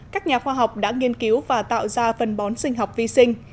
các nhà khoa học đã nghiên cứu và tạo ra phân bón sinh học vi sinh